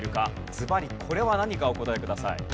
ずばりこれは何かお答えください。